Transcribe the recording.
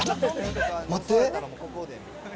待って。